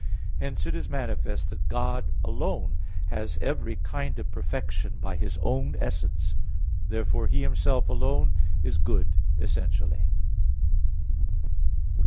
Hence it is manifest that God alone has every kind of perfection by His own essence; therefore He Himself alone is good essentially.